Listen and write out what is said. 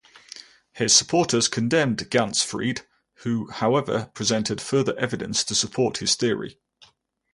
His supporters condemned Ganzfried, who, however, presented further evidence to support his theory.